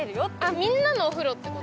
みんなのお風呂ってこと？